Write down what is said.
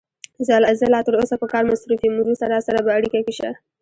زه لا تر اوسه په کار مصروف یم، وروسته راسره په اړیکه کې شه.